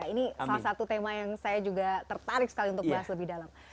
ini salah satu tema yang saya juga tertarik sekali untuk bahas lebih dalam